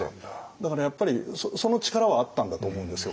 だからやっぱりその力はあったんだと思うんですよ